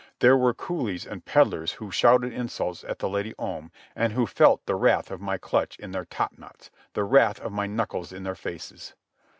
There were coolies and peddlers who shouted insults at the Lady Om and who felt the wrath of my clutch in their topknots, the wrath of my knuckles in their faces.